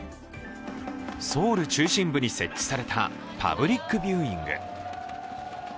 ソウル中心部に設置されたパブリックビューイング。